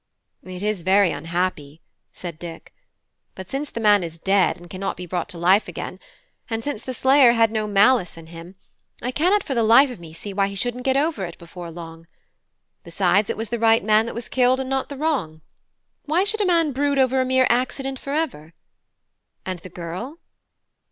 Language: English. "It is very unhappy," said Dick; "but since the man is dead, and cannot be brought to life again, and since the slayer had no malice in him, I cannot for the life of me see why he shouldn't get over it before long. Besides, it was the right man that was killed and not the wrong. Why should a man brood over a mere accident for ever? And the girl?"